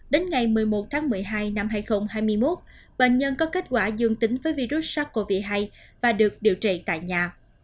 đến ngày một mươi một tháng một mươi hai năm hai nghìn hai mươi một bệnh nhân có kết quả dương tính với virus sars cov hai và được điều trị tại nhà